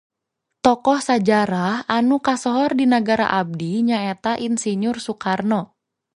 Tokoh sajarah anu kasohor di nagara abdi nyaeta Insinyur Sukarno.